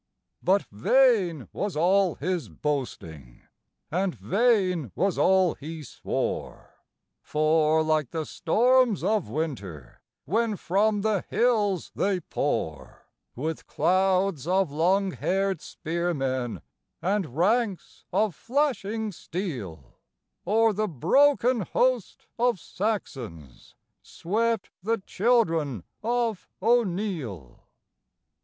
But vain was all his boasting, and vain was all he swore, For, like the storms of winter when from the hills they pour, With clouds of long haired spearmen, and ranks of flashing steel, O'er the broken host of Saxons swept the children of O'Neill.